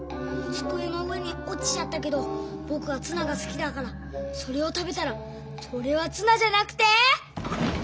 つくえの上におちちゃったけどぼくはツナがすきだからそれを食べたらそれはツナじゃなくて。